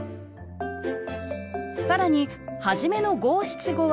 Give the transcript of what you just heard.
更に初めの五七五は上の句。